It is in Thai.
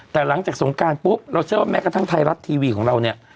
แต่หลังจากสงการปุ๊บเราเชื่อว่าแม้กระทั่งไทยรัฐทีวีของเราเนี่ย